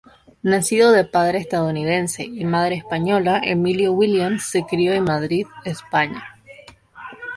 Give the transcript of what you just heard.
Nacido de padre estadounidense y madre española, Emilio Williams se crio en Madrid, España.